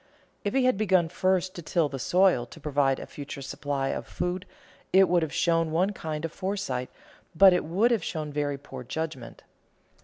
If he had begun first to till the soil to provide a future supply of food it would have shown one kind of foresight, but it would have shown very poor judgment.